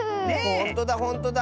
ほんとだほんとだ！